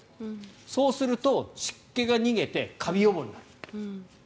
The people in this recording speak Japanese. そうすると、湿気が逃げてカビ予防になる。